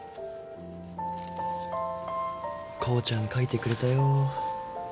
孝ちゃん描いてくれたよ。